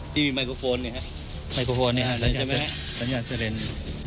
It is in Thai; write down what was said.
ที่มีไมโครโฟนนะครับใช่ไหมครับสัญญาณเซลลินดร์